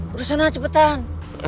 ke sana cepetan